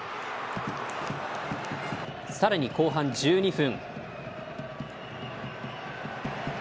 さらに、後半１２分。